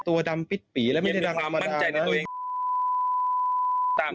ตัวดำปิดปีแล้วไม่ได้ดำมาดากนะ